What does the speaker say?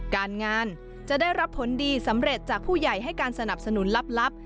การงานจะได้รับผลดีสำเร็จจากผู้ใหญ่ให้การสนับสนุนลับ